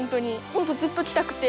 本当ずっと来たくて。